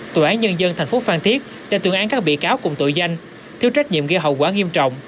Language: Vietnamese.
tội án nhân dân tp phan thiết đã tưởng án các bị cáo cùng tội danh thiếu trách nhiệm gây hậu quả nghiêm trọng